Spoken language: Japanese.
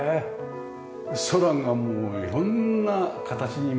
空がもう色んな形に見えるというか。